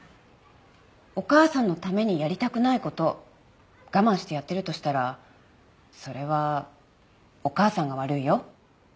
お母さんのためにやりたくない事我慢してやってるとしたらそれはお母さんが悪いよ。